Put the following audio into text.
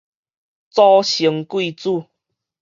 早生貴子